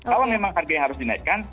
kalau memang harga yang harus dinaikkan